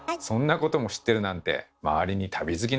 そんなことも知ってるなんて